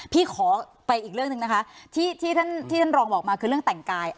พี่ขอไปอีกเรื่องหนึ่งนะคะที่ท่านรองบอกมาคือเรื่องแต่งกาย